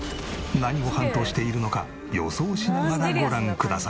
何をハントしているのか予想しながらご覧ください。